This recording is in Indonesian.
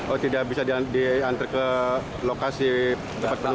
oh tidak bisa diantar ke lokasi tempat penumpang